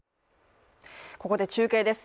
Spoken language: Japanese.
ここで中継です。